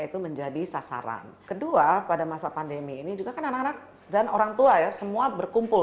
itu menjadi sasaran kedua pada masa pandemi ini juga kan anak anak dan orang tua ya semua berkumpul